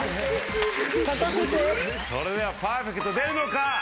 それではパーフェクト出るのか？